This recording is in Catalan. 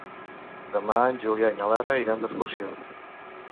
Demà en Julià i na Lara iran d'excursió.